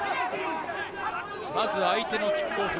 まず相手のキックオフ。